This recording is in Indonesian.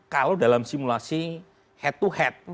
kalau dalam simulasi head to head